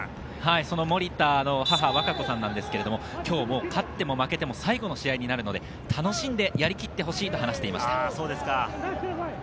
その森田の母・わかこさんですが、今日も勝っても負けても最後の試合になるので、楽しんでやりきってほしいと話しています。